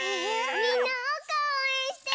みんなおうかをおうえんしてね！